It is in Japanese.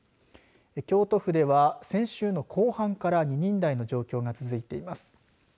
京都府では先週の後半から２人台の状況が続いています。